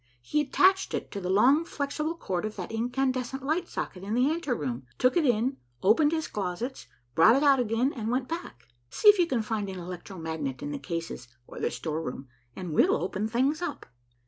He attached it to the long flexible cord of that incandescent light socket in the anteroom, took it in, opened his closets, brought it out again, and went back. See if you can find an electro magnet in the cases or the storeroom, and we'll open things up."